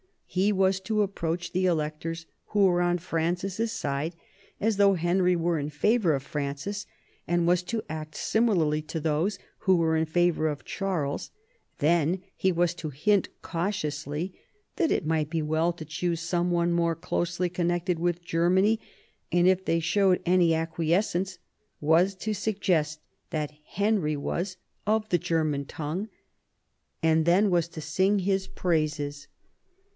He was to approach the electors who were on Francis's side, as though Henry were in favour of Francis, and was to act similarly to those who were in favour of Charles; then he was to hint cautiously that it might be well to choose some one more closely connected with Germany, and if they showed any ac quiescence, was to suggest that Henry was "of the German tongue," and then was to sing his praises.